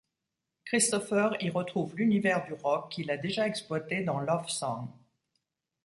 Christopher y retrouve l'univers du rock qu'il a déjà exploité dans Love Song.